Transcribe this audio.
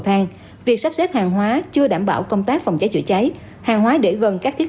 thang việc sắp xếp hàng hóa chưa đảm bảo công tác phòng cháy chữa cháy hàng hóa để gần các thiết